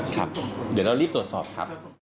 ครับเดี๋ยวเรารีบตรวจสอบครับ